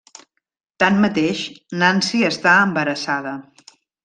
Tanmateix, Nancy està embarassada.